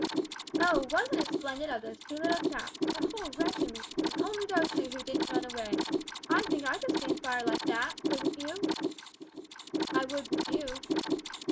"Oh, wasn't it splendid of those two little chaps a whole regiment! And only those two who didn't run away! I think I could stand fire like that, couldn't you?" "I would with you."